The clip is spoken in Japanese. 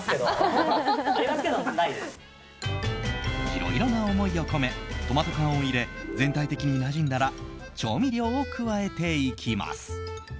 いろいろな思いを込めトマト缶を入れ全体的に馴染んだら調味料を加えていきます。